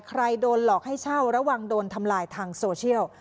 ใครโดนหลอกให้เช่าระวังโดนทำลายทางโซเชียล